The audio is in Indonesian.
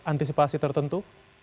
ada antisipasi tertentu